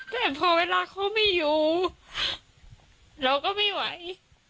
แต่พอเวลาเขาไม่อยู่เราก็ไม่ไหว